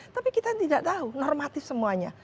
tapi kita tidak tahu normatif semuanya